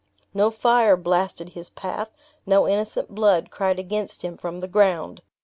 No fire blasted his path; no innocent blood cried against him from the ground!